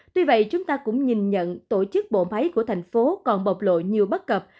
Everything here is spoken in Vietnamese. tuy vậy chúng ta cũng nhìn nhận tổ chức bộ máy của thành phố còn bộc lộ nhiều bất cập